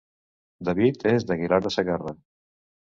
David és d'Aguilar de Segarra